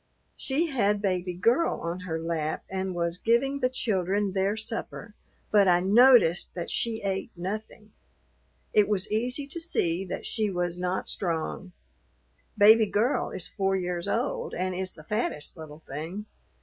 She had Baby Girl on her lap and was giving the children their supper, but I noticed that she ate nothing. It was easy to see that she was not strong. Baby Girl is four years old and is the fattest little thing.